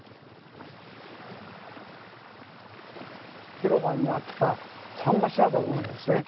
広場にあった桟橋だと思うんですね。